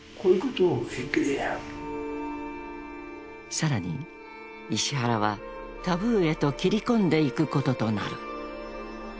［さらに石原はタブーへときり込んでいくこととなる］